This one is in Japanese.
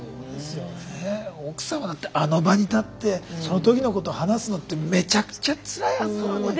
奥様だってあの場に立ってそのときのこと話すのってめちゃくちゃつらいはずなのに。